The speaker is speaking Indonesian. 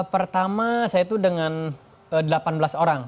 pertama saya itu dengan delapan belas orang